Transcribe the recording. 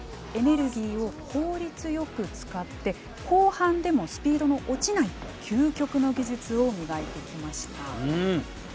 エネルギーを効率よく使って後半でもスピードの落ちない究極の技術を磨いてきました。